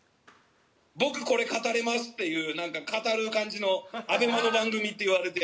「“僕これ語れます”っていうなんか語る感じのＡＢＥＭＡの番組って言われて」